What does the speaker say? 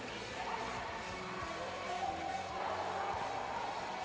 สวัสดีทุกคน